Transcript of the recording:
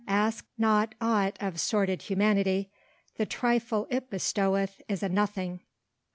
Ask not aught of sordid humanity; the trifle it bestoweth is a nothing.